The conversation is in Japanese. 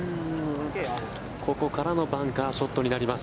ここからのバンカーショットになります。